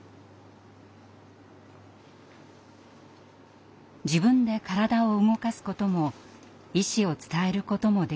自分で体を動かすことも意思を伝えることもできません。